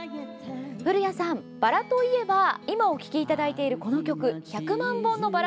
古谷さん、バラといえば今、お聴きいただいているこの曲「百万本のバラ」